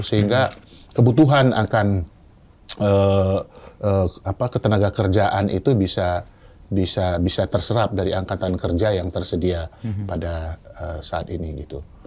sehingga kebutuhan akan ketenaga kerjaan itu bisa terserap dari angkatan kerja yang tersedia pada saat ini gitu